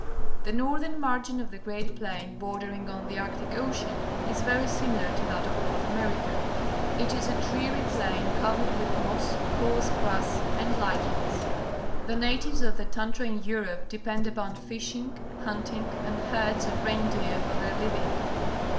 The northern margin of the great plain bordering on the Ai ctic Ocean is very similar to that of North America. It is a dreary plain, covered with moss, coarse grass, and lichens. The natives of the tundra in Europe depend upon fishing, hunting, and herds of reindeer for their living.